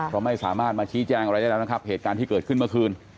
เพราะไม่สามารถมาชี้แจ้งอะไรได้แล้วนะครับเหตุการณ์ที่เกิดขึ้นเมื่อคืน